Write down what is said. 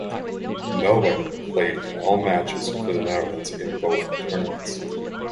Nouwen played in all matches for the Netherlands in both tournaments.